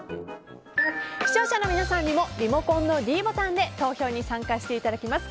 視聴者の皆さんにもリモコンのｄボタンで投票に参加していただけます。